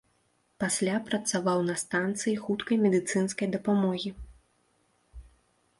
Пасля працаваў на станцыі хуткай медыцынскай дапамогі.